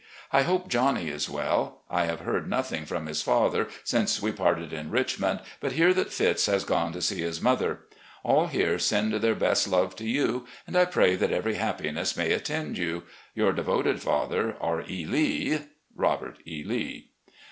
I hope Johnny is well. I have heard nothing from his father since we parted in Richmond, but hear that Fitz has gone to see his mother. All here send their best love to you, and I pray that every happiness may at tend you. "Your devoted father, "R. E. Lee. "Robert E. Lee.